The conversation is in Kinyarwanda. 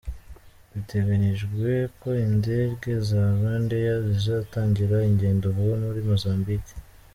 Biteganyijwe ko indege za Rwandair zizatangira ingendo vuba muri Mozambique.